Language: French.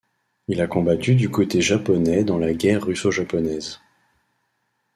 Il a combattu du côté japonais dans la guerre russo-japonaise.